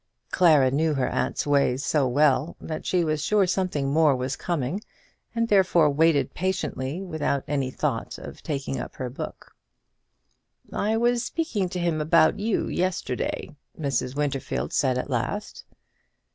Clara knew her aunt's ways so well, that she was sure something more was coming, and therefore waited patiently, without any thought of taking up her book. "I was speaking to him about you yesterday," Mrs. Winterfield said at last.